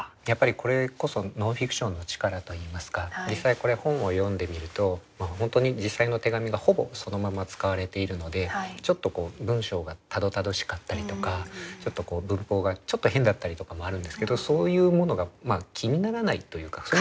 やっぱりこれこそノンフィクションの力といいますか実際これは本を読んでみると本当に実際の手紙がほぼそのまま使われているのでちょっとこう文章がたどたどしかったりとか文法がちょっと変だったりとかもあるんですけどそういうものが気にならないというか。